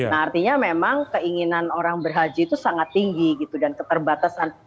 nah artinya memang keinginan orang berhaji itu sangat tinggi gitu dan keterbatasan